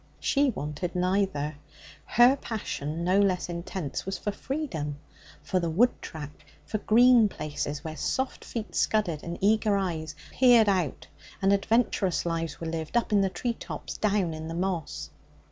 She wanted neither. Her passion, no less intense, was for freedom, for the wood track, for green places where soft feet scudded and eager eyes peered out and adventurous lives were lived up in the tree tops, down in the moss.